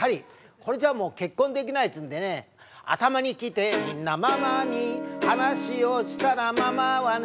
これじゃあもう結婚できないっつうんでね「頭に来てみんなママに話しをしたらママはね」